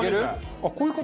あっこういう事？